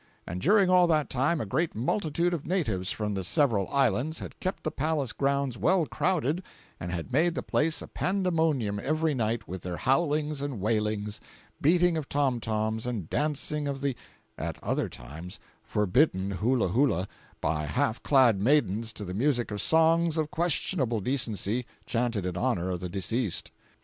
And during all that time a great multitude of natives from the several islands had kept the palace grounds well crowded and had made the place a pandemonium every night with their howlings and wailings, beating of tom toms and dancing of the (at other times) forbidden "hula hula" by half clad maidens to the music of songs of questionable decency chanted in honor of the deceased.